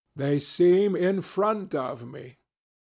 They seem in front of me.